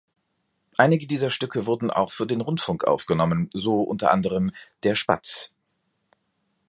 Einige dieser Stücke wurden auch für den Rundfunk aufgenommen, so unter anderem "Der Spatz".